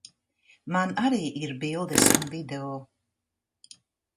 Man arī ir bildes un video.